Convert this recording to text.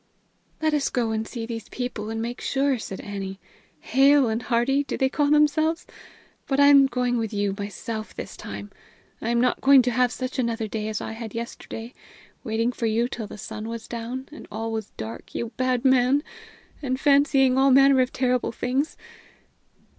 "Let us go and see these people and make sure," said Annie. "'Hale and Hearty,' do they call themselves? But I'm going with you myself this time! I'm not going to have such another day as I had yesterday waiting for you till the sun was down, and all was dark, you bad man! and fancying all manner of terrible things!